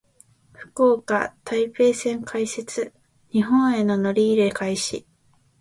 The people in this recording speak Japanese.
福岡・台北線開設。日本への乗り入れ開始。